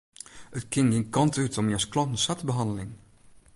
It kin gjin kant út om jins klanten sa te behanneljen.